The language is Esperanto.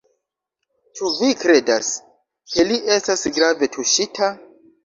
Ĉu vi kredas, ke li estas grave tuŝita?